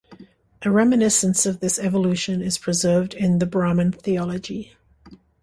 A reminiscence of this evolution is preserved in the Brahman theology.